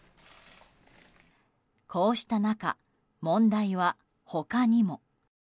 こうした中、問題は他にも。